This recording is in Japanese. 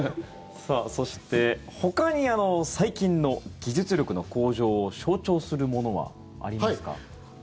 そして、ほかに最近の技術力の向上を象徴するものはありますか？